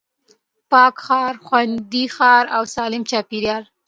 پاک ښار، خوندي ښار او سالم چاپېريال